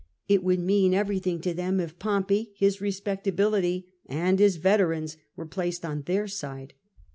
It would mean everything to them if Pompey, his re spectability, and his veterans were placed on their side.